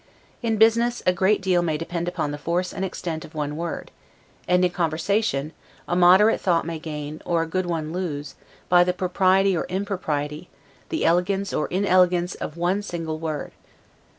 In business, a great deal may depend upon the force and extent of one word; and, in conversation, a moderate thought may gain, or a good one lose, by the propriety or impropriety, the elegance or inelegance of one single word.